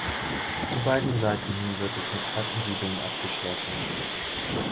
Zu beiden Seiten hin wird es mit Treppengiebeln abgeschlossen.